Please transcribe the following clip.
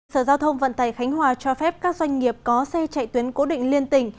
sở giao thông vận tài khánh hòa cho phép các doanh nghiệp có xe chạy tuyến cố định liên tỉnh